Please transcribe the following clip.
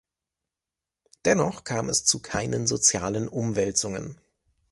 Dennoch kam es zu keinen sozialen Umwälzungen.